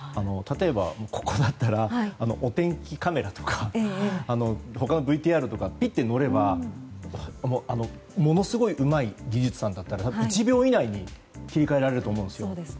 例えば、ここだったらお天気カメラとか他のＶＴＲにピッて押せばものすごくうまい技術さんなら多分、１秒以内に切り替えられると思うんですよ。